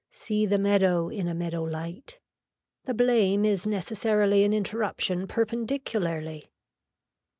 See the meadow in a meadow light. The blame is necessarily an interruption perpendicularly.